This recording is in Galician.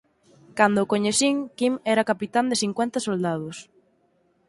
Cando o coñecín, Kim era capitán de cincuenta soldados.